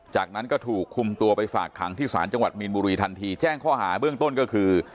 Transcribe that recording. จากนั้นก็ถูกคุมตัวไปฝากขังที่ศาลจังหวัดมีนบุรีทันทีแจ้งข้อหาเบื้องต้นก็คือ